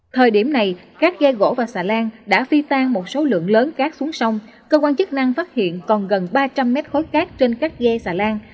thời điểm này các ghe gỗ và xà lan đã phi tan một số lượng lớn cát xuống sông cơ quan chức năng phát hiện còn gần ba trăm linh mét khối cát trên các ghe xà lan